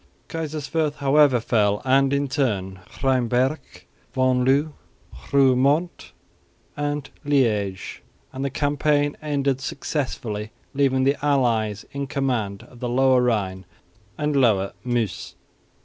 Kaiserswerth, however, fell, and in turn Rheinberg, Venloo, Roeremonde and Liège; and the campaign ended successfully, leaving the allies in command of the lower Rhine and lower Meuse.